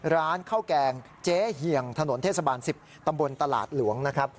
ร้านข้าวแกงเจ๊เหี่ยงถนนเทศบาล๑๐ตำบลตลาดหลวงนะครับ